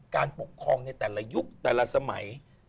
การปกครองในแต่ละยุคแต่ละสมัย